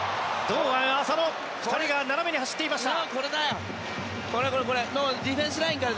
堂安、浅野２人が斜めに走っていました。